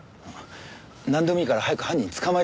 なんでもいいから早く犯人捕まえてください。